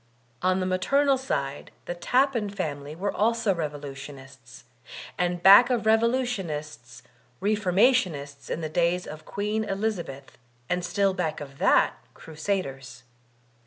On the maternal side the Tappan family were also revolutionists, and back of revolutionists Reformationists in the days of Queen Elizabeth, and still back of that, Crusaders.